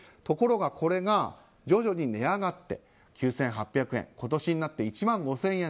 ところがこれが徐々に値上がって９８００円今年になって１万５０００円。